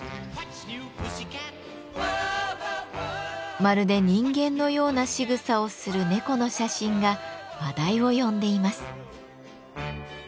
まるで人間のようなしぐさをする猫の写真が話題を呼んでいます。